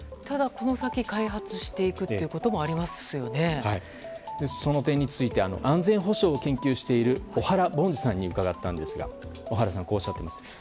ただ、この先開発していくってこともその点について安全保障を研究している小原凡司さんに伺ったんですが小原さん、こうおっしゃいます。